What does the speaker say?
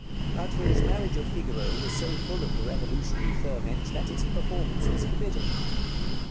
But his 'Marriage of Figaro' was so full of the revolutionary ferment that its performance was forbidden.